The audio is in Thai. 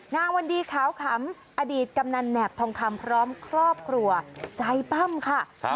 วันดีขาวขำอดีตกำนันแหนบทองคำพร้อมครอบครัวใจปั้มค่ะ